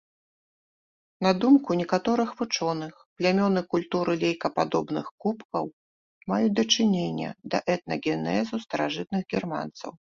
На думку некаторых вучоных, плямёны культуры лейкападобных кубкаў маюць дачыненне да этнагенезу старажытных германцаў.